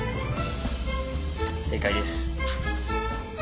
正解です。